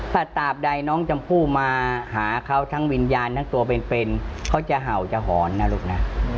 ถ้าตามใดน้องชมพู่มาหาเขาทั้งวิญญาณทั้งตัวเป็นเขาจะเห่าจะหอนนะลูกนะ